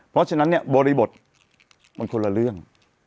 เพราะฉะนั้นเนี่ยบริบทมันคนละเรื่อง